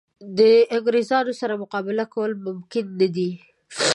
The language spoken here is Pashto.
د انګرېزانو سره مقابله کول ممکن نه دي.